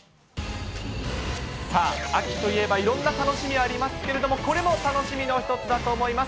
さあ、秋といえばいろんな楽しみありますけれども、これも楽しみの一つだと思います。